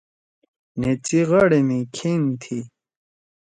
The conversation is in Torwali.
نھید سی غاڑے می کھأن تھی۔